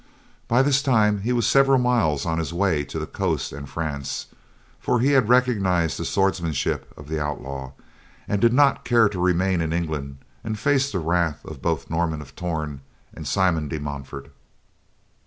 By this time, he was several miles on his way to the coast and France; for he had recognized the swordsmanship of the outlaw, and did not care to remain in England and face the wrath of both Norman of Torn and Simon de Montfort.